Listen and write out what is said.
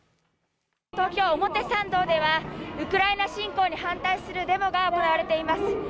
東京・表参道ではウクライナ侵攻に反対するデモが行われています。